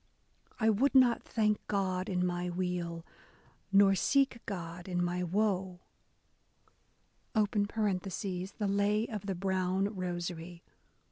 / would not thank God in my weal, nor seek God in my woe, (The Lay of the Brown Rosary.)